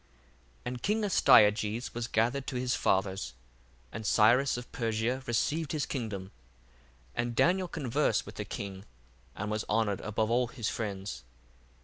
1:1 And king Astyages was gathered to his fathers, and Cyrus of Persia received his kingdom. 1:2 And Daniel conversed with the king, and was honoured above all his friends.